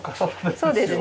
そうですね。